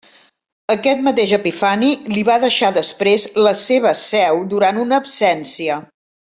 Aquest mateix Epifani li va deixar després la seva seu durant una absència.